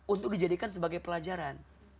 untuk dijadikan sebagai pelajaran